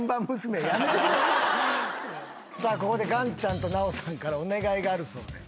ここで岩ちゃんと奈緒さんからお願いがあるそうで。